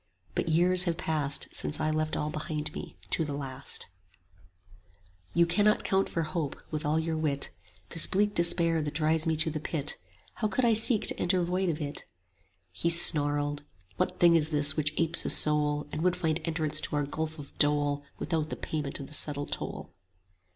But years have passed Since I left all behind me, to the last: You cannot count for hope, with all your wit, This bleak despair that drives me to the Pit: How could I seek to enter void of it? 30 He snarled, What thing is this which apes a soul, And would find entrance to our gulf of dole Without the payment of the settled toll?